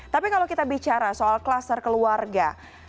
tapi kalau kita bicara soal kluster keluarga